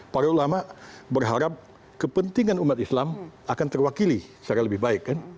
para ulama berharap kepentingan umat islam akan terwakili secara lebih baik